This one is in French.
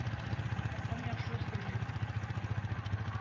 La première chose que j'ai vue.